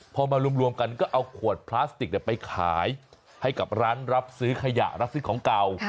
พอมารวมกันก็เอาขวดพลาสติกไปขายให้กับร้านรับซื้อขยะรับซื้อของเก่า